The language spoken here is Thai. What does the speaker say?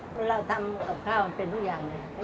คนเราทำกับข้าวมันเป็นทุกอย่างเลย